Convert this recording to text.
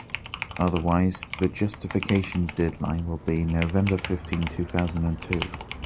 Otherwise, the justification deadline will be November fifteen, two thousand and two.